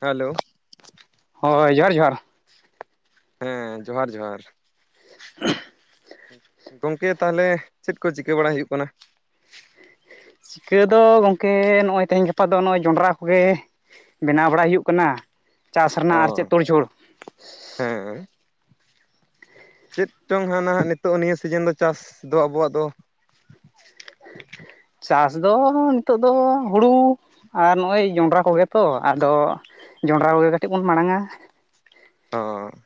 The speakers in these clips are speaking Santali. ᱦᱮᱞᱳ ᱦᱳᱭ ᱡᱚᱦᱟᱨ ᱡᱚᱦᱟᱨ, ᱦᱮᱸ ᱡᱚᱦᱟᱨ ᱡᱚᱦᱟᱨ᱾ ᱜᱚᱝᱠᱮ ᱛᱟᱦᱚᱞᱮ ᱪᱮᱫ ᱠᱚ ᱪᱤᱠᱟᱹ ᱵᱟᱲᱟ ᱦᱩᱭᱩᱜ ᱠᱟᱱᱟ? ᱪᱤᱠᱟᱹ ᱫᱚ ᱜᱚᱝᱠᱮ ᱱᱚᱜᱼᱚᱭ ᱛᱮᱦᱮᱧ ᱜᱟᱯᱟ ᱫᱚ ᱱᱚᱜᱼᱚᱭ ᱡᱚᱸᱰᱨᱟ ᱠᱚᱜᱮ ᱵᱮᱱᱟᱣ ᱵᱟᱲᱟᱭ ᱦᱩᱭᱩᱜ ᱠᱟᱱᱟ, ᱪᱟᱥ ᱚ ᱨᱮᱱᱟᱜ ᱟᱨ ᱪᱮᱫ ᱛᱚᱲᱡᱷᱳᱲ, ᱦᱮᱸ ᱪᱮᱫ ᱪᱚᱝ ᱦᱟᱸ ᱱᱟᱦᱟᱸᱜ ᱱᱤᱛᱚᱜ ᱱᱤᱭᱟᱹ ᱥᱤᱡᱤᱱ ᱫᱚ ᱪᱟᱥ ᱫᱚ ᱟᱵᱚᱣᱟᱜ ᱫᱚ? [inaudible] ᱪᱟᱥ ᱫᱚ ᱱᱤᱛᱚᱜ ᱫᱚ ᱦᱩᱲᱩ ᱟᱨ ᱱᱚᱜᱼᱚᱭ ᱡᱚᱱᱰᱨᱟ ᱠᱚᱜᱮ ᱛᱚ ᱟᱫᱚ ᱡᱚᱝᱰᱨᱟ ᱠᱚᱜᱮ ᱠᱟᱹᱴᱤᱡ ᱵᱚᱱ ᱢᱟᱲᱟᱝᱼᱟ᱾ ᱦᱚᱸ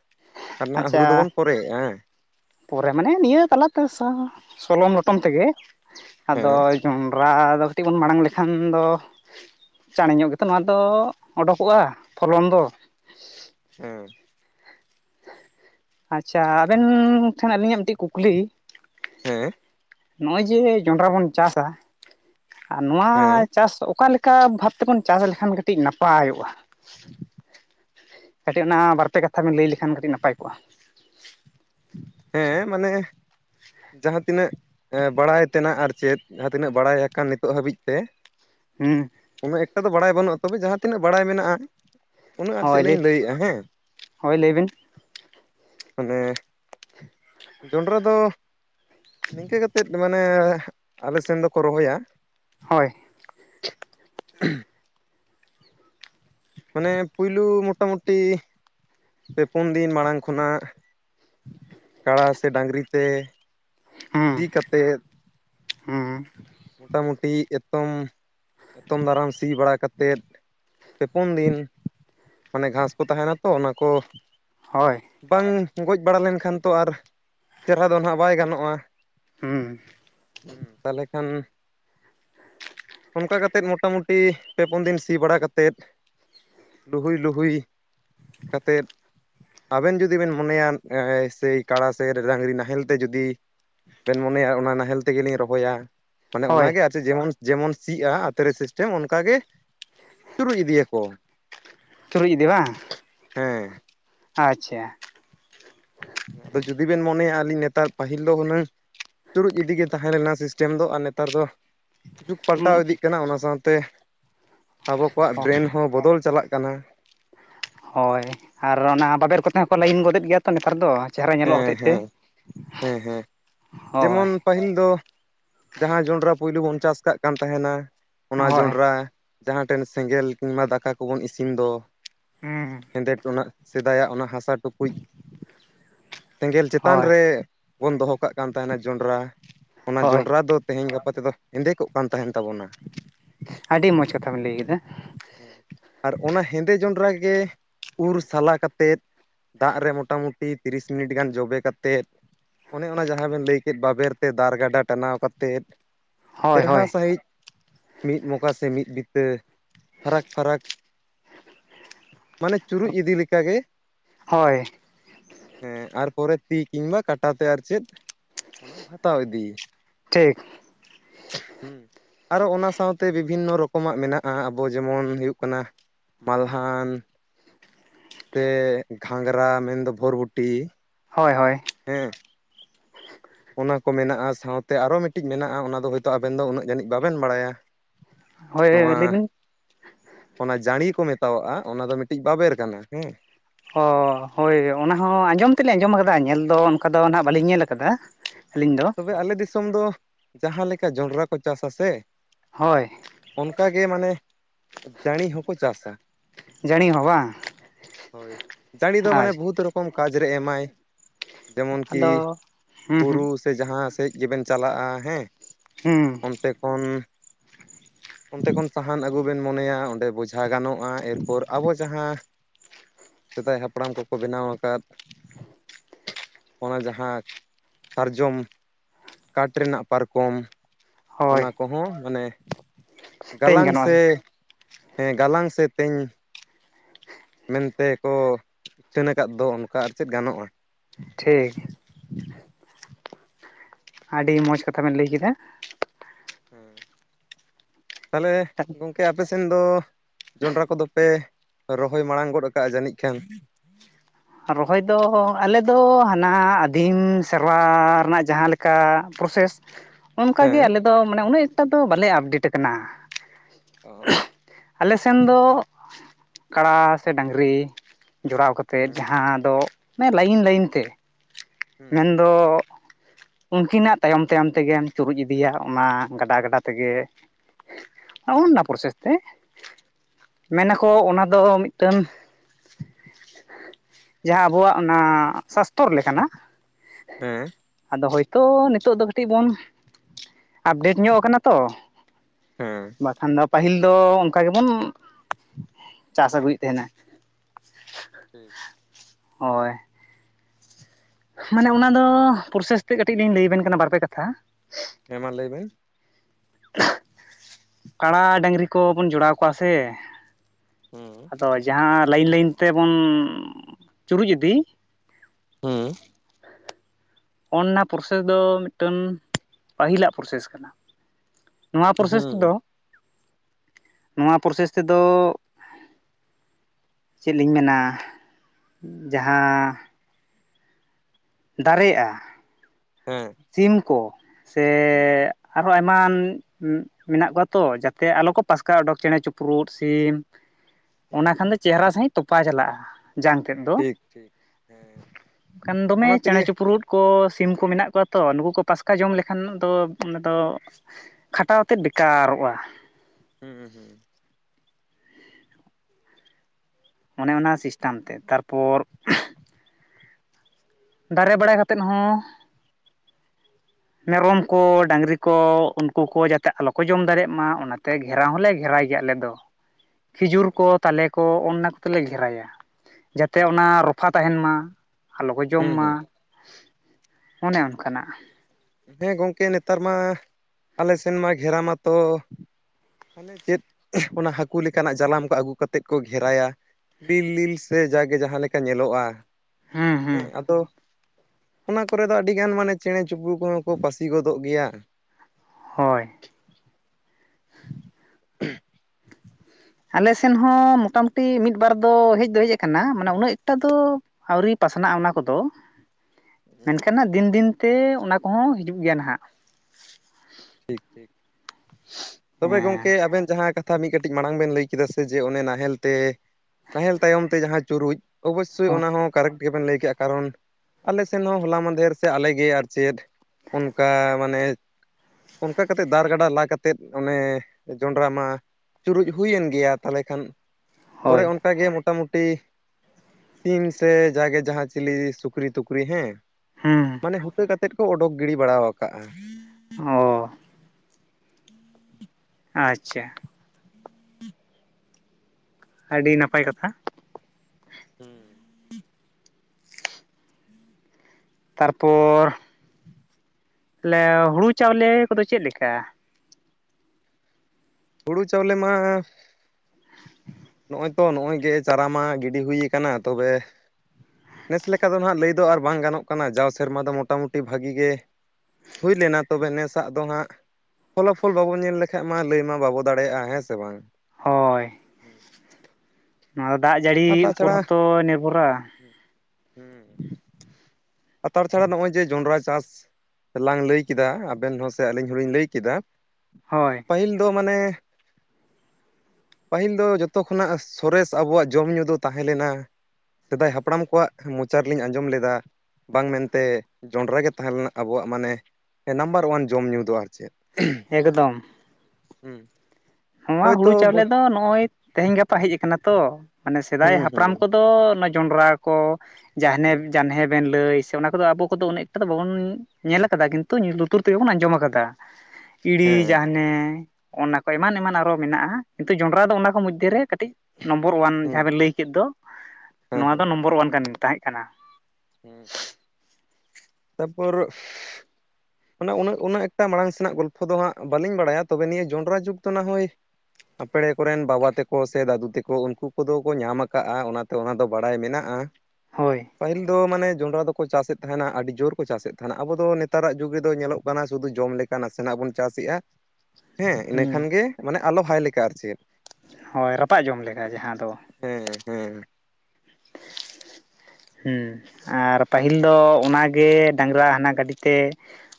ᱟᱨ ᱱᱷᱟᱜ ᱦᱩᱲᱩ ᱟᱪᱪᱷᱟ ᱫᱚᱵᱚᱱ ᱯᱚᱨᱮᱭᱮᱜᱼᱟ ᱦᱮᱸ, ᱯᱚᱨᱮ ᱢᱟᱱᱮ ᱱᱤᱭᱟᱹ ᱛᱟᱞᱟᱛᱮ ᱥᱚ ᱥᱚᱞᱚᱢ ᱞᱚᱴᱚᱢ ᱛᱮᱜᱮ᱾ ᱟᱫᱚ ᱡᱚᱝᱰᱨᱟ ᱫᱚ ᱠᱟᱹᱴᱤᱡ ᱵᱚᱱ ᱢᱟᱲᱟᱝ ᱞᱮᱠᱷᱟᱱ ᱫᱚ ᱪᱟᱸᱬᱮ ᱧᱚᱜ ᱜᱮᱛᱚ ᱱᱚᱣᱟ ᱫᱚ ᱚᱰᱳᱠᱚᱜᱼᱟ ᱯᱷᱚᱞᱚᱱ ᱫᱚ᱾ ᱦᱮᱸ, ᱟᱪᱪᱷᱟ ᱟᱵᱮᱱ ᱴᱷᱮᱸᱱ ᱟᱹᱞᱤᱧᱟᱜ ᱢᱤᱫᱴᱤᱡ ᱠᱩᱠᱞᱤ? ᱦᱮᱸ, ᱱᱚᱜᱼᱚᱭ ᱡᱮ ᱡᱚᱱᱰᱨᱟ ᱵᱚᱱ ᱪᱟᱥᱼᱟ, ᱟᱨ ᱱᱚᱣᱟ ᱦᱮᱸ ᱪᱟᱥ ᱚᱠᱟᱞᱮᱠᱟ ᱵᱷᱟᱵᱽ ᱛᱮᱵᱚᱱ ᱪᱟᱥ ᱞᱮᱠᱷᱟᱱ ᱠᱟᱹᱴᱤᱡ ᱱᱟᱯᱟᱭᱚᱜᱼᱟ? ᱠᱟᱹᱴᱤᱡ ᱚᱱᱟ ᱵᱟᱨ ᱯᱮ ᱠᱟᱛᱷᱟ ᱵᱮᱱ ᱞᱟᱹᱭ ᱞᱮᱠᱷᱟᱱ ᱠᱟᱹᱴᱤᱡ ᱱᱟᱯᱟᱭ ᱠᱚᱜᱼᱟ? ᱦᱮᱸ ᱢᱟᱱᱮᱼᱦ ᱡᱟᱦᱟᱸ ᱛᱤᱱᱟᱹᱜ ᱮᱸ ᱵᱟᱲᱟᱭ ᱛᱮᱱᱟᱜ ᱟᱨ ᱪᱮᱫ, ᱡᱟᱦᱟᱸ ᱛᱤᱱᱟᱹᱜ ᱵᱟᱲᱟᱭ ᱟᱠᱟᱱ ᱱᱤᱛᱚᱜ ᱦᱟᱹᱵᱤᱡ ᱛᱮ, ᱦᱩᱸᱦ, ᱩᱱᱟᱹᱜ ᱮᱠᱴᱟ ᱫᱚ ᱵᱟᱲᱟᱭ ᱵᱟᱹᱱᱩᱜᱼᱟ, ᱛᱚᱵᱮ ᱡᱟᱦᱟᱸ ᱛᱤᱱᱟᱹᱜ ᱵᱟᱲᱟᱭ ᱢᱮᱱᱟᱜᱼᱟ, ᱩᱱᱟᱹᱜ ᱟᱸᱴ ᱪᱮᱫ ᱞᱤᱧ ᱞᱟᱹᱭ ᱮᱫᱼᱟ ᱦᱮᱸ, ᱦᱳᱭ ᱞᱟᱹᱭ ᱵᱤᱱ ᱢᱟᱱᱮ ᱡᱚᱝᱰᱨᱟ ᱫᱚ ᱱᱤᱸᱠᱟᱹ ᱠᱟᱛᱮᱫ ᱢᱟᱱᱮᱻ ᱟᱞᱮ ᱥᱮᱱ ᱫᱚᱠᱚ ᱨᱚᱦᱚᱭᱟ, ᱦᱳᱭ, ᱢᱟᱱᱮ ᱯᱩᱭᱞᱩ ᱢᱚᱴᱟᱢᱩᱴᱤ ᱯᱮ ᱯᱩᱱ ᱫᱤᱱ ᱢᱟᱲᱟᱝ ᱠᱷᱚᱱᱟᱜ ᱠᱟᱲᱟ ᱥᱮ ᱰᱟᱺᱜᱽᱨᱤ ᱛᱮ ᱦᱩᱸ ᱥᱤ ᱠᱟᱛᱮᱫ ᱦᱩᱸ ᱢᱚᱴᱟᱢᱩᱴᱤ ᱮᱛᱚᱢ, ᱮᱛᱚᱢ ᱫᱟᱨᱟᱢ ᱥᱤ ᱵᱟᱲᱟ ᱠᱟᱛ- ᱛᱮᱫ ᱯᱮ ᱯᱩᱱ ᱫᱤᱱ ᱢᱟᱱᱮ ᱜᱷᱟᱸᱥ ᱠᱚ ᱛᱟᱦᱮᱱᱟ ᱛᱚ ᱚᱱᱟ ᱠᱚ ᱦᱳᱭ ᱵᱟᱝ ᱜᱚᱡ ᱵᱟᱲᱟ ᱞᱮᱱᱠᱷᱟᱱ ᱛᱚ ᱟᱨ ᱪᱮᱨᱦᱨᱟ ᱫᱚ ᱦᱟᱜ ᱵᱟᱭ ᱜᱟᱱᱚᱜᱼᱟ ᱦᱩᱸ ᱦᱮᱸ ᱛᱟᱦᱞᱮ ᱠᱷᱟᱱ ᱚᱱᱠᱟ ᱠᱟᱛᱮᱫ ᱢᱚᱴᱟᱢᱩᱴᱤ ᱯᱮ ᱯᱩᱱ ᱫᱤᱱ ᱥᱤ ᱵᱟᱲᱟ ᱠᱟᱛᱮᱫ ᱞᱩᱦᱩᱭ ᱞᱩᱦᱩᱭ ᱠᱟᱛᱮᱫ ᱟᱵᱮᱱ ᱡᱩᱫᱤ ᱵᱮᱱ ᱢᱚᱱᱮᱭᱟ ᱮᱸ ᱥᱮᱭ ᱠᱟᱲᱟ ᱥᱮ ᱰᱟᱹᱝᱨᱤ ᱱᱟᱦᱮᱞ ᱛᱮ ᱡᱩᱫᱤ ᱵᱮᱱ ᱢᱚᱱᱮᱭᱟ ᱚᱱᱟ ᱱᱟᱦᱮᱞ ᱛᱮᱜᱮᱞᱤᱧ ᱨᱚᱦᱚᱭᱟ ᱢᱟᱱᱮ ᱦᱳᱭ ᱚᱱᱟᱜᱮ ᱟᱨ ᱡᱮᱢᱚᱱ ᱡᱮᱢᱚᱱ ᱥᱤᱜᱼᱟ ᱟᱛᱨᱮ ᱥᱮᱥᱴᱮᱢ ᱚᱱᱠᱟ ᱜᱮ ᱪᱩᱨᱩᱡ ᱤᱫᱤᱭᱟᱠᱚ ᱪᱩᱨᱩᱡ ᱤᱫᱤ ᱵᱟᱝ ᱦᱮᱸ ᱟᱪᱷᱟ ᱟᱫᱚ ᱡᱩᱫᱤ ᱵᱮᱱ ᱢᱚᱱᱮᱭᱟ ᱟᱹᱞᱤᱧ ᱱᱮᱛᱟᱨ ᱯᱟᱹᱦᱤᱞ ᱫᱚ ᱦᱩᱱᱟᱹᱝ ᱪᱩᱨᱩᱡ ᱤᱫᱤ ᱜᱮ ᱛᱟᱦᱮᱸ ᱞᱮᱱᱟ ᱥᱤᱥᱴᱮᱢ ᱫᱚ ᱟᱨ ᱱᱮᱛᱟᱨ ᱫᱚ ᱡᱩᱜᱽ ᱯᱟᱞᱴᱟᱣ ᱤᱫᱤᱜ ᱠᱟᱱᱟ ᱚᱱᱟ ᱥᱟᱶᱛᱮ ᱟᱵᱚ ᱠᱚᱣᱟᱜ ᱵᱨᱮᱱ ᱦᱚᱸ ᱵᱚᱫᱚᱞ ᱪᱟᱞᱟᱜ ᱠᱟᱱᱟ ᱾ ᱦᱳᱭ ᱟᱨ ᱚᱱᱟ ᱵᱟᱵᱮᱨ ᱠᱚᱛᱮ ᱦᱚᱸᱠᱚ ᱞᱟᱹᱭᱤᱱ ᱜᱚᱫᱮᱫ ᱜᱮᱭᱟ ᱛᱚ ᱱᱮᱛᱟᱨ ᱫᱚ ᱪᱮᱦᱨᱟ ᱧᱮᱞᱚᱜ ᱦᱮᱸ ᱦᱚᱛᱮᱡ ᱛᱮ ᱦᱮᱸ ᱦᱮᱸ ᱦᱮᱸ ᱦᱳᱭ ᱡᱮᱢᱚᱱ ᱯᱟᱹᱦᱤᱞ ᱫᱚ ᱡᱟᱦᱟᱸ ᱡᱚᱸᱰᱨᱟ ᱯᱳᱭᱞᱩ ᱵᱚᱱ ᱪᱟᱥ ᱠᱟᱜ ᱠᱟᱱ ᱛᱟᱦᱮᱱᱟ ᱚᱱᱟ ᱦᱳᱭ ᱡᱚᱸᱰᱨᱟ ᱡᱟᱦᱟᱸ ᱴᱷᱮᱱ ᱥᱮᱸᱜᱮᱞ ᱠᱤᱢᱵᱟ ᱫᱟᱠᱟ ᱠᱚᱵᱚᱱ ᱤᱥᱤᱱ ᱫᱚ ᱦᱩᱸ ᱦᱮᱸᱫᱮ ᱴᱚᱱᱟᱜ ᱥᱮᱫᱟᱭᱟᱜ ᱚᱱᱟ ᱦᱟᱥᱟ ᱴᱩᱠᱩᱡ ᱥᱮᱸᱜᱮᱞ ᱪᱮᱛᱟᱱ ᱦᱳᱭ ᱨᱮᱵᱚᱱ ᱫᱚᱦᱚ ᱠᱟᱜ ᱠᱟᱱ ᱛᱟᱦᱮᱱᱟ ᱡᱚᱸᱰᱨᱟ ᱚᱱᱟ ᱦᱳᱭ ᱡᱚᱸᱰᱨᱟ ᱫᱚ ᱛᱮᱦᱮᱧ ᱜᱟᱯᱟ ᱛᱮᱫᱚ ᱦᱮᱸᱫᱮ ᱠᱚᱜ ᱠᱟᱱ ᱛᱟᱦᱮᱱ ᱛᱟᱵᱚᱱᱟ ᱾ ᱟᱹᱰᱤ ᱢᱚᱸᱡᱽ ᱠᱟᱛᱷᱟ ᱵᱮᱢ ᱞᱟᱹᱭ ᱠᱮᱫᱟ᱾ ᱟᱨ ᱚᱱᱟ ᱦᱮᱸᱫᱮ ᱡᱚᱸᱰᱨᱟ ᱜᱮ ᱩᱨ ᱥᱟᱞᱟ ᱠᱟ ᱠᱟᱛᱮᱫ ᱫᱟᱜ ᱨᱮ ᱢᱚᱴᱟᱢᱩᱴᱤ ᱛᱤᱨᱤᱥ ᱢᱤᱱᱤᱴ ᱜᱟᱱ ᱡᱚᱵᱮ ᱠᱟᱛᱮᱫ ᱚᱱᱮ ᱚᱱᱟ ᱡᱟᱦᱟᱸ ᱵᱮᱱ ᱞᱟᱹᱭ ᱠᱮᱫ ᱵᱟᱵᱮᱨ ᱛᱮ ᱫᱟᱨ ᱜᱟᱰᱟ ᱴᱟᱱᱟᱣ ᱠᱟᱛᱮᱫ ᱦᱳᱭ ᱪᱮᱨᱦᱟ ᱦᱳᱭ ᱥᱟᱺᱦᱤᱡ ᱢᱤᱫ ᱢᱚᱠᱟ ᱥᱮ ᱢᱤᱫ ᱵᱤᱛᱟᱹ ᱯᱷᱟᱨᱟᱠ ᱯᱷᱟᱨᱟᱠ ᱢᱟᱱᱮ ᱪᱩᱨᱩᱡ ᱤᱫᱤ ᱞᱮᱠᱟᱜᱮ ᱦᱳᱭ ᱦᱮᱸ ᱟᱨᱯᱚᱨᱮ ᱛᱤ ᱠᱤᱢᱵᱟ ᱠᱟᱴᱟ ᱛᱮ ᱟᱨ ᱪᱮᱫ ᱚᱱᱟᱢ ᱦᱟᱛᱟᱣ ᱤᱫᱤ ᱴᱷᱤᱠ ᱦᱩᱸ ᱟᱨᱚ ᱚᱱᱟ ᱥᱟᱶᱛᱮ ᱵᱤᱵᱷᱤᱱᱱᱚ ᱨᱚᱠᱚᱢᱟᱜ ᱢᱮᱱᱟᱜᱼᱟ ᱟᱵᱚ ᱡᱮᱢᱚᱱ ᱦᱩᱭᱩᱜ ᱠᱟᱱᱟ᱾ ᱢᱟᱞᱦᱟᱱ ᱥᱮ ᱜᱷᱟᱸᱜᱽᱨᱟ ᱢᱮᱱᱫᱚ ᱵᱷᱩᱨᱵᱩᱴᱤ ᱦᱳᱭ ᱦᱳᱭ ᱦᱮᱸ ᱚᱱᱟ ᱠᱚ ᱢᱮᱱᱟᱜᱼᱟ ᱥᱟᱶᱛᱮ ᱟᱨᱚ ᱢᱤᱫᱴᱤᱡ ᱢᱮᱱᱟᱜᱼᱟ ᱚᱱᱟ ᱫᱚ ᱦᱳᱭᱛᱳ ᱟᱵᱮᱱ ᱫᱚ ᱩᱱᱟᱹᱜ ᱡᱟᱹᱱᱤᱡ ᱵᱟᱵᱮᱱ ᱵᱟᱲᱟᱭᱟ ᱦᱳᱭ ᱞᱟᱹᱭᱵᱤᱱ ᱚᱱᱟ ᱡᱟᱬᱤ ᱠᱚ ᱢᱮᱛᱟᱣᱟᱜᱼᱟ ᱚᱱᱟ ᱫᱚ ᱢᱤᱫᱴᱤᱡ ᱵᱟᱵᱮᱨ ᱠᱟᱱᱟ ᱦᱮᱸ ᱦᱚ ᱦᱚᱭ ᱚᱱᱟ ᱦᱚᱸ ᱟᱸᱡᱚᱢ ᱛᱮᱞᱤᱧ ᱟᱸᱡᱚᱢ ᱠᱟᱫᱟ ᱧᱮᱞ ᱫᱚ ᱚᱱᱠᱟ ᱫᱚ ᱱᱟᱦᱟᱜ ᱵᱟᱞᱤᱧ ᱧᱮᱞ ᱠᱟᱫᱟ ᱟᱹᱞᱤᱧ ᱫᱚ ᱛᱮ ᱟᱞᱮ ᱫᱤᱥᱚᱢ ᱫᱚ ᱡᱟᱦᱟᱸ ᱞᱮᱠᱟ ᱡᱚᱸᱰᱨᱟ ᱠᱚ ᱪᱟᱥᱟ ᱥᱮ ᱦᱳᱭ ᱚᱱᱠᱟᱜᱮ ᱢᱟᱱᱮ ᱡᱟᱹᱬᱤ ᱦᱚᱸᱠᱚ ᱪᱟᱥᱟ ᱡᱟᱹᱬᱤ ᱦᱚᱸ ᱵᱟᱝ ᱦᱳᱭ ᱡᱟᱬᱤ ᱫᱚ ᱢᱟᱱᱮ ᱟᱪ ᱵᱩᱦᱩᱛ ᱨᱚᱠᱚᱢ ᱠᱟᱡᱽ ᱨᱮ ᱮᱢᱟᱭ ᱡᱮᱢᱚᱱ ᱠᱤ ᱟᱫᱚ ᱦᱩᱸ ᱦᱩᱸ ᱵᱩᱨᱩ ᱥᱮ ᱡᱟᱦᱟᱸ ᱥᱮᱫ ᱜᱮᱵᱮᱱ ᱪᱟᱞᱟᱜᱼᱟ ᱦᱮᱸ ᱦᱩᱸ ᱚᱱᱛᱮ ᱠᱷᱚᱱ ᱚᱱᱛᱮ ᱠᱷᱚᱱ ᱥᱟᱦᱟᱱ ᱟᱹᱜᱩ ᱵᱮᱱ ᱢᱚᱱᱮᱭᱟ ᱚᱸᱰᱮ ᱵᱚᱡᱷᱟ ᱜᱟᱱᱚᱜ ᱟᱸ ᱮᱨᱯᱚᱨ ᱟᱵᱚ ᱡᱟᱦᱟᱸ ᱥᱮᱫᱟᱭ ᱦᱟᱯᱲᱟᱢ ᱠᱚᱠᱚ ᱵᱮᱱᱟᱣ ᱟᱠᱟᱫ ᱚᱱᱟ ᱡᱟᱦᱟᱸ ᱡᱚᱢ ᱠᱟᱴ ᱨᱮᱱᱟᱜ ᱯᱟᱨᱠᱚᱢ ᱦᱳᱭ ᱚᱱᱟ ᱠᱚᱦᱚᱸ ᱢᱟᱱᱮ ᱛᱮᱧ ᱜᱟᱞᱟᱝ ᱥᱮ ᱜᱟᱱᱚᱜᱼᱟ ᱦᱮᱸ ᱜᱟᱞᱟᱝ ᱥᱮ ᱛᱮᱧ ᱢᱮᱱᱛᱮ ᱠᱚ ᱩᱪᱷᱟᱹᱱ ᱟᱠᱟᱫ ᱫᱚ ᱚᱱᱠᱟ ᱟᱨ ᱪᱮᱫ ᱜᱟᱱᱚᱜᱼᱟ ᱾ ᱴᱷᱤᱠ ᱟᱹᱰᱤ ᱢᱚᱸᱡᱽ ᱠᱟᱛᱷᱟ ᱵᱮᱱ ᱞᱟᱹᱭ ᱠᱮᱫᱟ ᱾ ᱦᱮᱸ ᱛᱟᱞᱦᱮ ᱜᱚᱝ ᱠᱮ ᱟᱯᱮ ᱥᱮᱱ ᱫᱚ ᱡᱚᱱᱰᱽᱨᱟ ᱠᱚᱫᱚ ᱯᱮ ᱨᱚᱦᱚᱭ ᱢᱟᱲᱟᱝ ᱜᱚᱫ ᱠᱟᱜᱼᱟ ᱡᱟᱹᱱᱤᱡ ᱠᱷᱟᱱ? ᱨᱚᱦᱚᱭ ᱫᱚ ᱟᱞᱮᱫᱚ ᱦᱟᱱᱟ ᱟᱹᱫᱤᱢ ᱥᱮᱨᱣᱟ ᱨᱮᱱᱟᱜ ᱡᱟᱦᱟᱸ ᱞᱮᱠᱟ ᱯᱨᱚᱥᱮᱥ ᱦᱮᱸ ᱚᱱᱠᱟᱜᱮ ᱟᱞᱮ ᱫᱚ ᱢᱟᱱᱮ ᱩᱱᱟᱹᱜ ᱮᱠᱴᱟ ᱫᱚ ᱵᱟᱞᱮ ᱟᱯᱰᱮᱴ ᱠᱟᱱᱟ ᱾ ᱚ ᱟᱞᱮ ᱥᱮᱱ ᱫᱚ ᱠᱟᱲᱟ ᱥᱮ ᱰᱝᱨᱤ ᱡᱚᱲᱟᱣ ᱠᱟᱛ ᱦᱮᱸ ᱡᱟᱦᱟᱸ ᱫᱚ ᱚᱱᱮ ᱞᱟᱭᱤᱱ ᱞᱟᱭᱤᱱ ᱛᱮ ᱦᱮᱸ ᱢᱮᱱ ᱫᱚ ᱩᱱᱠᱤᱱᱟᱜ ᱛᱟᱭᱚᱢ ᱛᱟᱭᱚᱢ ᱛᱮᱜᱮᱢ ᱪᱩᱨᱩᱡ ᱤᱫᱤᱭᱟ ᱚᱱᱟ ᱜᱟᱰᱟ ᱜᱟᱰᱟ ᱛᱮᱜᱮ ᱾ ᱚᱱᱱᱟ ᱯᱨᱚᱥᱮᱥ ᱛᱮ ᱢᱮᱱᱟᱠᱚ ᱚᱱᱟ ᱫᱚ ᱢᱤᱫᱴᱟᱹᱝ ᱡᱟᱦᱟᱸ ᱟᱵᱚᱣᱟᱜ ᱚᱱᱟ ᱥᱟᱥᱛᱚᱨ ᱞᱮᱠᱟᱱᱟ ᱦᱮᱸ ᱾ ᱟᱫᱚ ᱦᱳᱭᱛᱳ ᱱᱤᱛᱳ ᱫᱚ ᱠᱟᱹᱴᱤᱡ ᱵᱚᱱ ᱟᱯᱰᱮᱴ ᱧᱚᱜ ᱠᱟᱱᱟ ᱛᱚ ᱦᱮᱸ ᱵᱟᱠᱷᱟᱱ ᱫᱚ ᱯᱟᱹᱦᱤᱞ ᱫᱚ ᱚᱱᱠᱟ ᱜᱮᱵᱚᱱ ᱪᱟᱥ ᱟᱹᱜᱩᱭᱮᱛ ᱛᱟᱦᱮᱸᱱᱟ ᱾ ᱴᱷᱤᱠ ᱾ ᱦᱳᱭ ᱾ ᱢᱟᱱᱮ ᱚᱱᱟ ᱫᱚ ᱯᱨᱚᱥᱮᱥ ᱛᱮᱜ ᱠᱟᱹᱴᱤᱡ ᱞᱤᱧ ᱞᱟᱹᱭ ᱟᱵᱤᱱ ᱠᱟᱱᱟ ᱵᱟᱨᱯᱮ ᱠᱟᱛᱷᱟ ᱦᱮᱸ ᱢᱟ ᱞᱟᱹᱭ ᱵᱤᱱ ᱾ ᱠᱟᱲᱟ ᱰᱟᱹᱝᱨᱤ ᱠᱚ ᱵᱚᱱ ᱡᱚᱲᱟᱣ ᱠᱚᱣᱟ ᱥᱮ ᱦᱮᱸ ᱟᱫᱚ ᱡᱟᱦᱟᱸ ᱞᱟᱹᱭᱤᱱ ᱞᱟᱹᱭᱤᱱ ᱛᱮᱵᱚᱱ ᱪᱩᱨᱩᱡ ᱤᱫᱤ ᱦᱩᱸ ᱾ ᱚᱱᱱᱟ ᱯᱨᱚᱥᱮᱥ ᱫᱚ ᱢᱤᱛᱴᱟᱹᱝ ᱯᱟᱹᱦᱤᱞᱟᱜ ᱯᱨᱚᱥᱮᱥ ᱠᱟᱱᱟ ᱾ ᱱᱚᱣᱟ ᱯᱨᱚᱥᱮᱥ ᱦᱮᱸ ᱛᱮᱫᱚ ᱱᱚᱣᱟ ᱯᱨᱚᱥᱮᱥ ᱛᱮᱫᱚ ᱪᱮᱫ ᱞᱤᱧ ᱢᱮᱱᱟ ᱡᱟᱦᱟᱸ ᱫᱟᱨᱮᱜᱼᱟ ᱦᱮᱸ ᱾ ᱥᱤᱢ ᱠᱚ ᱥᱮ ᱟᱨᱦᱚᱸ ᱟᱭᱢᱟᱱ ᱢᱮᱱᱟᱜ ᱠᱚᱣᱟ ᱛᱚ ᱡᱟᱛᱮ ᱟᱞᱚ ᱠᱚ ᱯᱟᱥᱠᱟ ᱩᱰᱳᱠ ᱪᱮᱬᱮ ᱪᱩᱯᱨᱩᱫ ᱥᱤᱢ [inaudible] ᱚᱱᱟ ᱠᱷᱟᱱ ᱫᱚ ᱪᱮᱦᱨᱟ ᱥᱟᱺᱦᱤᱡ ᱛᱚᱯᱟ ᱪᱟᱞᱟᱜᱼᱟ ᱾ ᱡᱟᱝ ᱛᱮᱫ ᱫᱚ ᱴᱷᱤᱠ ᱴᱷᱤᱠ ᱦᱮᱸ ᱠᱷᱟᱱ ᱫᱚᱢᱮ ᱚᱱᱟ ᱛᱮᱜᱮ [unintelligible] ᱠᱚ ᱥᱤᱢ ᱠᱚ ᱢᱮᱱᱟᱜ ᱠᱚᱣᱟ ᱛᱚ ᱱᱩᱠᱩ ᱠᱚ ᱯᱟᱥᱠᱟ ᱡᱚᱢ ᱞᱮᱠᱷᱟᱱ ᱫᱚ ᱚᱱᱟ ᱫᱚ ᱠᱷᱟᱴᱟᱣ ᱛᱮᱫ ᱵᱮᱠᱟᱨᱚᱜᱼᱟ ᱾ ᱦᱩᱸ ᱦᱩᱸ ᱾ ᱚᱱᱮ ᱚᱱᱟ ᱥᱤᱥᱴᱟᱢ ᱛᱮ ᱛᱟᱨᱯᱚᱨ ᱫᱟᱨᱮ ᱵᱟᱲᱟ ᱠᱟᱛᱮᱫ ᱦᱚᱸ ᱢᱮᱨᱚᱢ ᱠᱚ ᱰᱟᱹᱝᱨᱤ ᱠᱚ ᱩᱱᱠᱩ ᱠᱚ ᱡᱟᱛᱮ ᱟᱞᱚ ᱠᱚ ᱡᱚᱢ ᱫᱟᱲᱮᱜ ᱢᱟ ᱚᱱᱟᱛᱮ ᱜᱷᱮᱨᱟ ᱦᱚᱸᱞᱮ ᱜᱷᱮᱨᱟᱭ ᱜᱮᱭᱟ ᱟᱞᱮ ᱫᱚ ᱾ [inaudible] ᱠᱷᱤᱡᱩᱨ ᱠᱚ ᱛᱟᱞᱮ ᱠᱚ ᱚᱱᱟ ᱠᱚᱛᱮᱞᱮ ᱜᱷᱮᱨᱟᱭᱟ ᱡᱟᱛᱮ ᱚ ᱚᱱᱟ ᱨᱚᱯᱷᱟ ᱛᱟᱦᱮᱸᱱ ᱢᱟ ᱾ ᱟᱞᱚ ᱠᱚ ᱡᱚᱢ ᱦᱩᱸ ᱢᱟ ᱦᱩᱸ ᱚᱱᱮ ᱚᱱᱠᱟᱱᱟᱜ ᱾ ᱦᱮᱸ ᱜᱚᱝᱠᱮ ᱱᱮᱛᱟᱨ ᱢᱟ ᱟᱞᱮ ᱥᱮᱱ ᱢᱟ ᱜᱷᱮᱨᱟ ᱢᱟᱛᱚ, ᱦᱟᱱᱮ ᱪᱮᱫ ᱚᱱᱟ ᱦᱟᱹᱠᱩ ᱞᱮᱠᱟᱱᱟᱜ ᱡᱟᱞᱟᱢ ᱠᱚ ᱟᱹᱜᱩ ᱠᱟᱛᱮᱜ ᱠᱚ ᱜᱷᱮᱨᱟᱭᱟ ᱾ ᱞᱤᱞ ᱞᱤᱞ ᱥᱮ ᱡᱟᱜᱮ ᱡᱟᱦᱟᱸ ᱞᱮᱠᱟ ᱧᱮᱞᱚᱜᱼᱟ ᱦᱩᱸ ᱾ ᱦᱩᱸ ᱦᱮᱸ ᱟᱫᱚ ᱚᱱᱟ ᱠᱚᱨᱮ ᱫᱚ ᱟᱹᱰᱤ ᱜᱟᱱ ᱢᱟᱱᱮ ᱪᱮᱬᱮ ᱪᱩᱯᱨᱩ ᱩᱱᱠᱩ ᱦᱚᱸᱠᱚ ᱯᱟᱹᱥᱤ ᱜᱚᱫᱚᱜ ᱜᱮᱭᱟ ᱾ ᱦᱚᱭ ᱾ [unintelligible] ᱟᱞᱮ ᱥᱮᱱ ᱦᱚᱸ ᱢᱚᱴᱟᱢᱩᱴᱤ ᱢᱤᱫ ᱵᱟᱨ ᱫᱚ ᱦᱮᱡ ᱫᱚ ᱦᱮᱡ ᱟᱠᱟᱱᱟ ᱢᱟᱱᱮ ᱩᱱᱟᱹᱜ ᱮᱠᱴᱟ ᱫᱚ, ᱟᱹᱣᱨᱤ ᱯᱟᱥᱱᱟᱜᱼᱟ ᱚᱱᱟ ᱠᱚᱫᱚ ᱾ ᱢᱮᱱᱠᱷᱟᱱ ᱦᱟᱸᱜ ᱫᱤᱱ ᱫᱤᱱ ᱛᱮ ᱚᱱᱟ ᱠᱚᱦᱚᱸ ᱦᱤᱡᱩᱜ ᱜᱮᱭᱟ ᱱᱷᱟᱜ ᱾ ᱴᱷᱤᱠ ᱴᱷᱤᱠ ᱛᱚᱵᱮ ᱦᱮᱸ ᱜᱚᱢᱠᱮ ᱟᱵᱮᱱ ᱡᱟᱦᱟᱸ ᱠᱟ ᱛᱷᱟ ᱢᱤᱫ ᱠᱟᱹᱴᱤᱡ ᱢᱟᱲᱟᱝ ᱵᱮᱱ ᱞᱟᱹᱭ ᱠᱮᱫᱟ ᱥᱮ ᱡᱮ ᱚᱱᱮ ᱱᱟᱦᱮᱞ ᱛᱮ ᱱᱟᱦᱮᱞ ᱛᱟᱭᱚᱢ ᱛᱮ ᱡᱟᱦᱟᱸ ᱪᱩᱨᱩᱡ, ᱚᱵᱚᱥᱚᱭ ᱚᱱᱟ ᱦᱚᱸ ᱠᱟᱨᱮᱠ ᱜᱮᱵᱮᱱ ᱞᱟᱹᱭ ᱠᱮᱜᱼᱟ ᱠᱟᱨᱚᱱ ᱟᱞᱮ ᱥᱮᱱ ᱦᱚᱸ ᱦᱚᱞᱟ ᱢᱟᱫᱷᱮᱨ ᱥᱮ ᱟᱞᱮᱜᱮ ᱟᱨ ᱪᱮᱫ, ᱚᱱᱠᱟ ᱢᱟᱱᱮ ᱚᱱᱠᱟ ᱠᱟᱛᱮᱫ ᱫᱟᱨ ᱜᱟᱰᱟ ᱞᱟ ᱠᱟᱛᱮᱫ ᱚᱱᱮ ᱡᱚᱸᱰᱨᱟ ᱢᱟ, ᱪᱩᱨᱩᱡ ᱦᱩᱭᱮᱱ ᱜᱮᱭᱟ ᱛᱟᱦᱚᱞᱮ ᱠᱷᱟᱱ ᱯᱚᱨᱮ ᱦᱳᱭ ᱚᱱ ᱠᱟᱜᱮ ᱢᱚᱴᱟᱢᱩᱴᱤ ᱥᱤᱢ ᱥᱮ ᱡᱟᱜᱮ ᱡᱟᱦᱟᱸ ᱪᱤᱞᱤ ᱥᱩᱠᱨᱤ ᱛᱩᱠᱨᱤ ᱦᱮᱸ, ᱦᱩᱸ ᱢᱟᱱᱮ ᱦᱩᱴᱟᱹ ᱠᱟᱛᱮᱫ ᱠᱚ ᱚᱰᱚᱠ ᱜᱤᱰᱤ ᱵᱟᱲᱟ ᱣᱟᱠᱟᱜᱼᱟ ᱾ ᱦᱚᱸᱻ [inaudible] ᱟᱪᱪᱷᱟ ᱾ ᱟᱹᱰᱤ ᱱᱟᱯᱟᱭ ᱠᱟᱛᱷᱟ ᱾ ᱦᱩᱸᱻ ᱛᱟᱨᱯᱚᱨ ᱛᱟᱦᱚᱞᱮ ᱦᱳᱲᱳ ᱪᱟᱣᱞᱮ ᱠᱚᱫᱚ ᱪᱮᱫ ᱞᱮᱠᱟ ᱦᱳᱲᱳ ᱪᱟᱣᱞᱮ ᱢᱟ, ᱱᱚᱜᱼᱚᱭ ᱛᱚ ᱱᱚᱜᱼᱚᱭ ᱜᱮ ᱪᱟᱨᱟ ᱢᱟ ᱜᱤᱰᱤ ᱦᱩᱭ ᱟᱠᱟᱱᱟ ᱛᱚᱵᱮ, ᱱᱮᱥ ᱞᱮᱠᱟ ᱫᱚ ᱱᱷᱟᱜ ᱞᱟᱹᱭ ᱫᱚ ᱟᱨ ᱵᱟᱝ ᱜᱟᱱᱚᱜ ᱠᱟᱱᱟ ᱡᱟᱣ ᱥᱮᱨᱢᱟ ᱫᱚ ᱢᱚᱴᱟᱢᱩᱴᱤ ᱵᱷᱟᱹᱜᱤ ᱜᱮ, ᱦᱩᱭ ᱞᱮᱱᱟ ᱛᱚᱵᱮ ᱱᱮᱥᱟᱜ ᱫᱚ ᱱᱷᱟᱜ, ᱯᱷᱚᱞᱚᱯᱷᱚᱞ ᱵᱟᱵᱚᱱ ᱧᱮᱞ ᱞᱮᱠᱷᱟᱡ ᱢᱟ ᱞᱟᱹᱭ ᱢᱟ ᱵᱟᱵᱚ ᱫᱟᱲᱮᱭᱟᱜᱼᱟ ᱦᱮᱸ ᱥᱮ ᱵᱟᱝ ᱾ ᱦᱳᱭᱻ ᱦᱩᱸᱻ ᱱᱚᱣᱟ ᱫᱚ ᱫᱟᱜ ᱡᱟᱹᱲᱤ ᱩᱯᱚᱨ ᱦᱚᱸᱛᱚ ᱱᱤᱨᱵᱷᱚᱨᱟ ᱾ ᱦᱩᱸᱻ ᱛᱟᱨ ᱪᱷᱟᱲᱟ ᱱᱚᱜᱼᱚᱭ ᱡᱮ ᱡᱚᱱᱰᱨᱟ ᱪᱟᱥ, ᱞᱟᱝ ᱞᱟᱹᱭ ᱠᱮᱫᱟ ᱟᱵᱮᱱ ᱦᱚᱸ ᱥᱮ ᱟᱹᱞᱤᱧ ᱦᱚᱞᱤᱧ ᱞᱟᱹᱭ ᱠᱮᱫᱟ ᱾ ᱦᱳᱭᱻ ᱯᱟᱹᱦᱤᱞ ᱫᱚ ᱢᱟᱱᱮ, ᱯᱟᱹᱦᱤᱞ ᱫᱚ ᱡᱚᱛᱚ ᱠᱷᱚᱱᱟᱜ ᱥᱚᱨᱮᱥ ᱟᱵᱚᱣᱟᱜ ᱡᱚᱢᱼᱧᱩ ᱫᱚ ᱛᱟᱦᱮᱸ ᱞᱮᱱᱟ ᱾ ᱥᱮᱫᱟᱭ ᱦᱟᱯᱲᱟᱢ ᱠᱚᱣᱟᱜ ᱢᱚᱪᱟ ᱨᱮᱞᱤᱧ ᱟᱸᱡᱚᱢ ᱞᱮᱫᱟ ᱵᱟᱝ ᱢᱮᱱᱛᱮ ᱡᱚᱸᱰᱨᱟ ᱜᱮ ᱛᱟᱦᱮᱸ ᱞᱮᱱᱟ ᱟᱵᱚᱣᱟᱜ ᱢᱟᱱᱮ ᱱᱟᱢᱵᱟᱨ ᱚᱣᱟᱱ ᱡᱚᱢᱼᱧᱩ ᱫᱚ ᱟᱨ ᱪᱮᱫ ᱮᱠᱫᱚᱢ ᱦᱩᱸ ᱱᱚᱣᱟ ᱦᱩᱲᱩ ᱦᱳᱭᱛᱳ ᱵᱚ ᱪᱟᱣᱞᱮ ᱫᱚ ᱱᱚᱜᱼᱚᱭ ᱛᱮᱦᱮᱧ ᱜᱟᱯᱟ ᱦᱮᱡ ᱟᱠᱟᱱᱟ ᱛᱚ ᱢᱟᱱᱮ ᱥᱮᱫᱟᱭ ᱦᱩᱸ ᱦᱩᱸ ᱦᱟᱯᱲᱟᱢ ᱠᱚᱫᱚ ᱡᱚᱸᱰᱨᱟ ᱠᱚ ᱡᱮ ᱦᱩᱸ ᱡᱟᱱᱦᱮ ᱵᱮᱱ ᱞᱟᱹᱭ ᱚᱱᱟ ᱠᱚᱫᱚ ᱟᱵᱚ ᱠᱚᱫᱚ ᱩᱱᱮ ᱮᱠᱴᱟ ᱫᱚ ᱵᱟᱵᱚᱱ ᱧᱮᱞ ᱠᱟᱫᱟ ᱠᱤᱱᱛᱩ ᱞᱩᱛᱩᱨ ᱛᱮᱜᱮ ᱵᱚᱱ ᱟᱸᱡᱚᱢ ᱠᱟᱫᱟ ᱪᱤᱲᱤ ᱦᱮᱸ ᱡᱟᱱᱮ ᱚᱱᱟ ᱠᱚ ᱮᱢᱟᱱ ᱦᱩᱸ ᱮᱢᱟᱱ ᱟᱨᱚ ᱢᱮᱱᱟᱜᱼᱟ ᱠᱤᱱᱛᱩ ᱡᱚᱱᱰᱨᱟ ᱫᱚ ᱚᱱᱟ ᱠᱚ ᱢᱚᱫᱽᱫᱷᱮ ᱨᱮ ᱠᱟᱹᱴᱤᱡ ᱱᱚᱢᱵᱚᱨ ᱳᱣᱟᱱ ᱡᱟᱦᱟᱸ ᱦᱩᱸ ᱵᱮᱱ ᱞᱟᱹᱭ ᱠᱮᱫ ᱫᱚ ᱦᱮᱸ ᱱᱚᱣᱟ ᱫᱚ ᱱᱚᱢᱵᱚᱨ ᱳᱣᱟᱱ ᱠᱟᱱ ᱛᱟᱦᱮᱸ ᱠᱟᱱᱟ ᱦᱩᱸ ᱛᱟᱨᱯᱚᱨ ᱚᱱᱟ ᱩᱱᱟᱹᱜ ᱩᱱᱟᱹᱜ ᱮᱠᱴᱟ ᱢᱟᱲᱟᱝ ᱥᱮᱱᱟᱜ ᱜᱚᱞᱯᱚ ᱫᱚ ᱦᱟᱸᱜ ᱵᱟᱹᱞᱤᱧ ᱵᱟᱲᱟᱭᱟ ᱛᱚᱵᱮ ᱱᱤᱭᱟᱹ ᱡᱚᱸᱰᱨᱟ ᱡᱩᱜᱽ ᱫᱚ ᱱᱟ ᱦᱳᱭ ᱟᱯᱲᱮ ᱠᱚᱨᱮᱱ ᱵᱟᱵᱟ ᱛᱮᱠᱚ ᱥᱮ ᱫᱟᱫᱩ ᱛᱠᱚ ᱩᱱᱠᱩ ᱠᱚᱫᱚ ᱠᱚ ᱧᱟᱢ ᱟᱠᱟᱜᱼᱟ ᱚᱱᱟ ᱛᱚ ᱚᱱᱟ ᱫᱚ ᱵᱟᱲᱟᱭ ᱢᱮᱱᱟᱜᱼᱟ ᱦᱳᱭ ᱯᱟᱦᱤᱞ ᱫᱚ ᱢᱟᱱᱮ ᱡᱚᱸᱰᱨᱟ ᱫᱚᱠᱚ ᱪᱟᱥᱮᱫ ᱛᱟᱦᱮᱱᱟ ᱟᱹᱰᱤ ᱡᱳᱨ ᱠᱚ ᱪᱟᱥᱮᱫ ᱛᱟᱦᱮᱸᱱᱟ ᱟᱵᱚ ᱫᱚ ᱱᱮᱛᱟᱨᱟᱜ ᱡᱩᱜᱽ ᱨᱮᱫᱚ ᱧᱮᱞᱚᱜ ᱠᱟᱱᱟ ᱥᱩᱫᱩ ᱡᱚᱢ ᱞᱮᱠᱟ ᱠᱟ ᱱᱟᱥᱮᱱᱟᱜ ᱵᱚᱱ ᱪᱟᱥ ᱮᱫᱼᱟ ᱦᱮᱸ ᱤᱱᱟᱹ ᱠᱷᱟᱱ ᱜᱮ ᱢᱟᱱᱮ ᱟᱞᱚ ᱵᱷᱟᱭ ᱞᱮᱠᱟ ᱟᱨ ᱪᱮᱫ ᱦᱳᱭ ᱨᱟᱯᱟᱜ ᱡᱚᱢ ᱞᱮᱠᱟ ᱡᱟᱦᱟᱸ ᱫᱚ ᱦᱮᱸ ᱦᱮᱸ [inaudible] ᱟᱨ ᱯᱟᱹᱦᱤᱞ ᱫᱚ ᱚᱱᱟᱜᱮ ᱰᱟᱝᱨᱟ ᱦᱟᱱᱟ ᱜᱟᱹᱰᱤᱛᱮ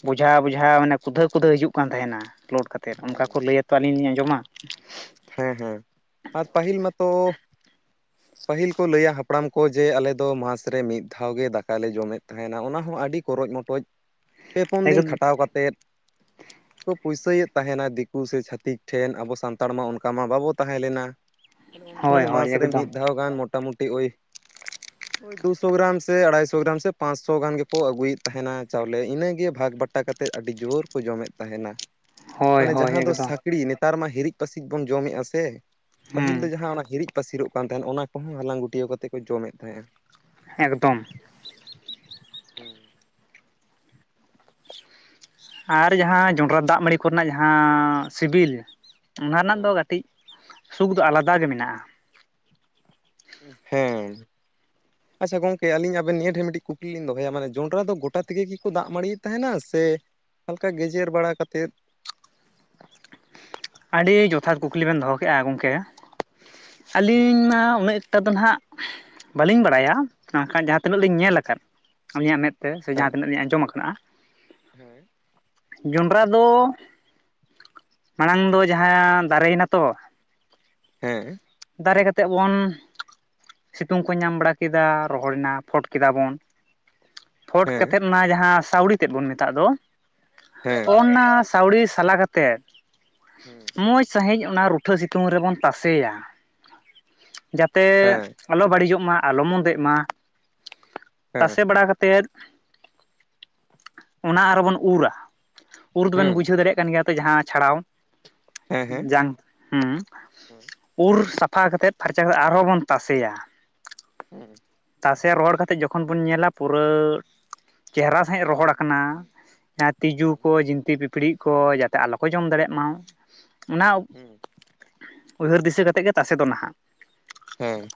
ᱵᱚᱡᱷᱟ ᱵᱚᱡᱷᱟ ᱢᱟᱱᱮ ᱠᱩᱫᱟᱹ ᱠᱩᱫᱟᱹ ᱦᱤᱡᱩᱜ ᱠᱟᱱ ᱛᱟᱦᱮᱱᱟ ᱞᱳᱰ ᱠᱟᱛᱮ, ᱮᱛ ᱚᱱᱠᱟ ᱦᱮᱸ ᱠᱚ ᱞᱟᱹᱭᱟᱛᱚ ᱟᱹᱞᱤᱧ ᱞᱤᱧ ᱟᱸᱡᱚᱢᱟ, ᱦᱮᱸ ᱦᱮᱸ ᱟᱨ ᱯᱟᱹᱦᱤᱞ ᱢᱟᱛᱚ ᱯᱟᱹᱦᱤᱞ ᱠᱚ ᱞᱟᱹᱭᱟ ᱦᱟᱯᱲᱟᱢ ᱠᱚ ᱡᱮ ᱟᱞᱮᱫᱚ ᱢᱟᱥ ᱨᱮ ᱢᱤᱫ ᱫᱷᱟᱣ ᱜᱮ ᱫᱟᱠᱟᱞᱮ ᱡᱚᱢᱮᱫ ᱛᱟᱦᱮᱱᱟ ᱚᱱᱟ ᱦᱚᱸ ᱟᱹᱰᱤ ᱠᱚᱚᱨᱪ ᱢᱚᱴᱚᱚᱡ ᱯᱮ ᱯᱩᱱ ᱫᱤᱱ ᱮᱠᱫᱚᱢ ᱠᱷᱟᱴᱟᱣ ᱠᱟᱛᱮᱫ ᱠᱚ ᱯᱩᱭᱥᱟᱹᱭᱮᱫ ᱛᱟᱦᱮᱱᱟ ᱫᱤᱠᱩ ᱥᱮ ᱪᱷᱟᱟᱹᱛᱤᱠ ᱴᱷᱮᱱ ᱟᱵᱚ ᱥᱟᱱᱛᱟᱲ ᱱᱮᱛᱟᱨ ᱢᱟ ᱚᱱᱠᱟ ᱢᱟ ᱵᱟᱵᱚ ᱛᱟᱦᱮᱸ ᱞᱮᱱᱟ ᱛᱟᱦᱮ ᱩᱱ ᱦᱳᱭ ᱥᱚᱢᱚᱭ ᱦᱳᱭ ᱢᱟᱥ ᱨᱮ ᱮᱠᱫᱚᱢ ᱢᱤᱫ ᱫᱷᱟᱣ ᱜᱟᱱ ᱢᱚᱴᱟᱢᱩᱴᱤ [unintelligible] ᱫᱩᱥᱚ ᱜᱨᱟᱢ ᱥᱮ ᱟᱲᱟᱭ ᱥᱚ ᱜᱨᱟᱢ ᱥᱮ ᱯᱟᱸᱪᱥᱚ ᱜᱟᱱ ᱜᱮᱠᱚ ᱟᱹᱜᱩᱭᱮᱫ ᱛᱟᱦᱮᱱᱟ ᱪᱟᱣᱞᱮ ᱤᱱᱟᱹᱜᱮ ᱵᱷᱟᱜᱽ ᱵᱟᱴ ᱟᱴᱟ ᱠᱟᱛᱮᱫ ᱟᱹᱰᱤ ᱡᱳᱨ ᱠᱚ ᱡᱚᱢᱮᱫ ᱛᱟᱦᱮᱱᱟ, ᱦᱳᱭ ᱢᱟᱱᱮ ᱦᱳᱭ ᱡᱟᱦᱟᱸ ᱫᱚ ᱮᱠᱫᱚᱢ ᱥᱠᱲᱤ ᱱᱮᱛᱟᱨ ᱢᱟ ᱦᱤᱨᱤᱡ ᱯᱟᱹᱥᱤᱡ ᱵᱚᱱ ᱡᱚᱢᱮᱜᱼᱟ ᱥᱮ ᱯᱟᱹᱦᱤᱞ ᱦᱩᱸ ᱫᱚ ᱡᱟᱦᱟᱸ ᱦᱤᱨᱤᱡ ᱯᱟᱹᱥᱤᱨᱚᱜ ᱠᱟᱱ ᱛᱟᱦᱮᱸᱫ ᱚᱱᱟ ᱠᱚᱦᱚᱸ ᱦᱟᱞᱟᱝ ᱜᱩᱴᱭᱟᱹᱣ ᱠᱟᱛᱮ ᱠᱚ ᱡᱚᱢᱮᱫ ᱛᱟᱦᱮᱸᱜᱼᱟ ᱮᱠᱫᱚᱢ [inaudible] ᱟᱨ ᱡᱟᱦᱟᱸ ᱡᱚᱸᱰᱨᱟ ᱫᱟᱜ ᱢᱟᱹᱲᱤ ᱠᱚᱨᱮᱱᱟᱜ ᱡᱟᱦᱟᱸ ᱥᱤᱵᱤᱞ ᱚᱱᱟ ᱨᱮᱱᱟᱜ ᱫᱚ ᱦᱮᱸ ᱠᱟᱹᱴᱤᱡ ᱥᱩᱠ ᱫᱚ ᱟᱞᱟᱫᱟ ᱜᱮ ᱢᱮᱱᱟᱜᱼᱟ, ᱦᱮᱸ ᱟᱪᱪᱷᱟ ᱜᱚᱝᱠᱮ ᱟᱹᱞᱤᱧ ᱟᱵᱮᱱ ᱱᱤᱭᱟᱹ ᱴᱷᱮᱱ ᱟᱪᱪᱟ ᱜᱚᱢᱠᱮ ᱟᱞᱤᱧ ᱟᱵᱤᱱ ᱢᱤᱫᱴᱤᱡ ᱠᱩᱠᱞᱤᱤᱧ ᱫᱚᱦᱚᱭᱟ ᱢᱟᱱᱮ ᱡᱚᱱᱰᱨᱟ ᱫᱚ ᱜᱚᱴᱟ ᱛᱮᱜᱮ ᱜᱮᱠᱚ ᱫᱟᱜ ᱢᱟᱲᱤᱭᱮᱫ ᱛᱟᱦᱮᱱᱟ ᱥᱮ ᱦᱟᱞᱠᱟ ᱜᱮᱡᱮᱨ ᱵᱟᱲᱟ ᱠᱟᱛᱮᱫ ᱟᱹᱰᱤ ᱡᱚᱛᱷᱟᱛ ᱠᱩᱠᱞᱤ ᱵᱮᱱ ᱫᱚᱦᱚ ᱠᱮᱫᱼᱟ ᱜᱚᱢᱠᱮ ᱦᱩᱸ ᱟᱹᱞᱤᱧ ᱢᱟ ᱩᱱᱟᱹᱜ ᱱᱤᱛᱚᱜ ᱫᱚ ᱱᱟᱦᱟᱜ ᱵᱟᱟᱹᱞᱤᱧ ᱵᱟᱲᱟᱭᱟ ᱵᱟᱝᱠᱷᱟᱱ ᱡᱟᱦᱟᱸ ᱛᱤᱱᱟᱹᱜ ᱞᱤᱧ ᱧᱮᱞ ᱟᱠᱟᱫ ᱟᱹᱞᱤᱧᱟᱜ ᱢᱮᱫ ᱛᱮ ᱥᱮ ᱡᱟᱦᱟᱸ ᱛᱤᱱᱟᱹᱜ ᱞᱧ ᱟᱸᱡᱚᱢ ᱟᱠᱟᱱᱟᱫᱼᱟ [inaudible] ᱡᱚᱸᱰᱨᱟ ᱫᱚ ᱢᱟᱲᱟᱝ ᱫᱚ ᱡᱟᱦᱟᱸ ᱫᱟᱨᱮᱱᱟ ᱛᱚ ᱦᱮᱸ᱾ ᱫᱟᱨᱮ ᱠᱟᱛᱮᱜ ᱵᱚᱱ ᱥᱤᱛᱩᱝ ᱠᱚ ᱧᱟᱢ ᱵᱟᱲᱟ ᱠᱮᱫᱟ ᱨᱚᱦᱚᱲ ᱱᱟ ᱯᱷᱚᱴ ᱠᱮᱫᱟ ᱵᱚᱱ, ᱯᱷᱚᱴ ᱦᱮᱸ ᱠᱟᱛᱮᱜ ᱚᱱᱟ ᱡᱟᱦᱟᱸ ᱥᱟᱹᱣᱲ ᱛᱮᱫ ᱵᱚᱱ ᱢᱮᱛᱟᱜ ᱫᱚ ᱦᱮᱸ ᱚᱱᱟ ᱥᱟᱹᱣᱰᱤ ᱥᱟᱞᱟ ᱠᱟᱛᱮᱫ ᱦᱩᱸ᱾ ᱢᱚᱸᱡ ᱥᱟᱺᱦᱤᱡ ᱚᱱᱟ ᱨᱩᱴᱷᱟᱹ ᱥᱤᱛᱩᱝ ᱨᱮᱵᱚᱱ ᱛᱟᱥᱮᱭᱟ, ᱡᱟᱛᱮ ᱦᱮᱸ ᱟᱞᱚ ᱵᱟᱹᱲᱤᱡᱚᱜᱼᱢᱟ ᱟᱞᱚ ᱢᱚᱱᱫᱮᱜᱼᱢᱟ ᱦᱮᱸ ᱛᱟᱥᱮ ᱵᱟᱲᱟ ᱠᱟ ᱛᱮᱫ ᱚᱱᱟ ᱟᱨᱚ ᱵᱚᱱ ᱩᱨᱟ᱾ ᱩᱨ ᱫᱚᱵᱮᱱ ᱦᱮᱸ ᱵᱩᱡᱷᱟᱹᱣ ᱫᱟᱲᱮᱭᱟᱜ ᱠᱟᱱ ᱜᱮᱭᱟ ᱛᱚ ᱡᱟᱦᱟᱸ ᱪᱷᱟᱲᱟᱣ ᱦᱮᱸ ᱡᱟᱝ ᱦᱩᱸ ᱦᱮᱸ ᱩᱨ ᱥᱟᱯᱷᱟ ᱠᱟ ᱠᱟᱛᱮᱫ ᱯᱷᱟᱨᱪᱟ ᱠᱟᱛᱮᱫ ᱟᱨᱦᱚᱸ ᱵᱚᱱ ᱛᱟᱥᱮᱭᱟ᱾ ᱦᱩᱸ᱾ ᱛᱟᱥᱮ ᱨᱚᱦᱚᱲ ᱠᱛᱮᱜ ᱡᱚᱠᱷᱚᱱ ᱵᱚᱱ ᱧᱮᱞᱟ ᱯᱩᱨᱟᱹ ᱪᱮᱦᱨᱟ ᱥᱟᱦᱤᱡ ᱨᱚᱦᱚᱲ ᱠᱟᱱᱟ, ᱡᱟᱦᱟᱸ ᱛᱤᱡᱩ ᱦᱮᱸ ᱠᱚ ᱡᱤᱱᱛᱤ ᱯᱤᱯᱲᱤ ᱠᱚ ᱡᱟᱛᱮ ᱟᱞᱚ ᱠᱚ ᱡᱚᱢ ᱫᱟᱲᱮᱭᱟᱜᱼᱢᱟ ᱚᱱᱟ ᱦᱩᱸ ᱩᱭᱦᱟᱹᱨ ᱫᱤᱥᱟᱹ ᱠᱟᱛᱮᱜ ᱜᱮ ᱛᱟᱥᱮ ᱫᱚ ᱱᱟᱦᱟᱸᱜ᱾ ᱦᱮᱸ᱾